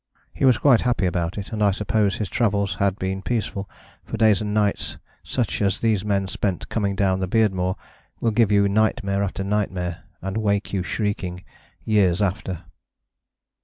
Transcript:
He was quite happy about it, and I suppose his travels had been peaceful, for days and nights such as these men spent coming down the Beardmore will give you nightmare after nightmare, and wake you shrieking years after.